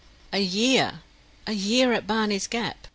A year! A year at Barney's Gap!